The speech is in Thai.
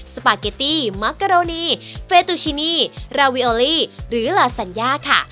สปาเกตตี้มักกะโรนีเฟตุชินีราวิโอลี่หรือลาสัญญาค่ะ